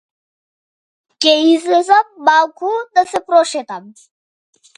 Ќе излезам малку да се прошетам.